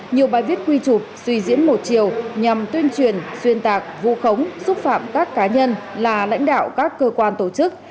nhiều bài viết quy trục suy diễn một chiều nhằm tuyên truyền xuyên tạc vu khống xúc phạm các cá nhân là lãnh đạo các cơ quan tổ chức